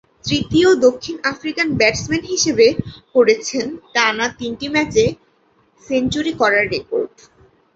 তৃতীয় দক্ষিণ African batsman হিসেবে করেছেন টানা তিনটি ম্যাচে সেঞ্চুরি করার রেকর্ড।